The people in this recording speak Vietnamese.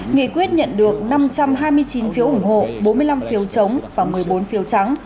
nghị quyết nhận được năm trăm hai mươi chín phiếu ủng hộ bốn mươi năm phiếu chống và một mươi bốn phiếu trắng